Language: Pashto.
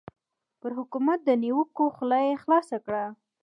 پر حکومت د نیوکو خوله یې خلاصه کړه.